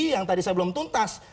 yang tadi sebelum tuntas